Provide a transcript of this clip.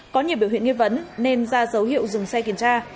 có nhiều biểu hiện nghi vấn nên ra dấu hiệu dừng xe kiểm tra